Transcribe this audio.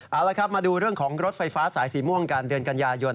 เอาละครับมาดูเรื่องของรถไฟฟ้าสายสีม่วงกันเดือนกันยายน